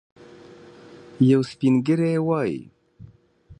یو سپین ږیری وايي.